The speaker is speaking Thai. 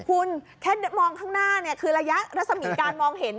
คุณแค่มองข้างหน้าคือระยะรัศมีการมองเห็น